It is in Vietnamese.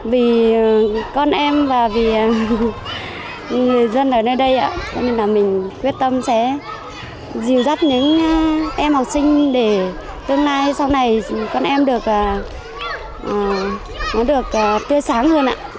vì con em và vì người dân ở nơi đây mình quyết tâm sẽ dìu dắt những em học sinh để tương lai sau này con em được tươi sáng hơn